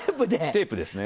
テープですね。